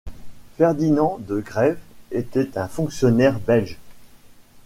Ferdinand de Grève était un fonctionnaire belge.